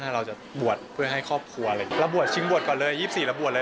เราบวชชิงบวชก่อนเลย๒๔เราบวชเลย